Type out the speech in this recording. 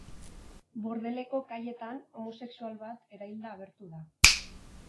Bordeleko kaietan homosexual bat erailda agertu da.